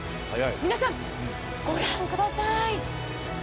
皆さん、ご覧ください。